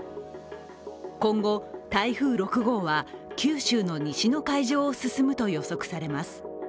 今後、台風６号は、九州の西の海上を進むと予測されます。